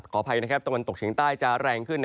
อภัยนะครับตะวันตกเฉียงใต้จะแรงขึ้น